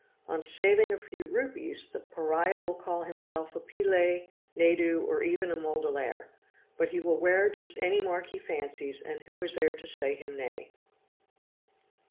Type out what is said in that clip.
On saving a few rupees, the Pariah will call himself a Pillay, Naidu, or even a Mudaliar ; but he will wear just any mark he fancies, and who is there to say him nay